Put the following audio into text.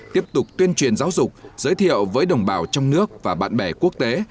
tiếp tục tuyên truyền giáo dục giới thiệu với đồng bào trong nước và bạn bè quốc tế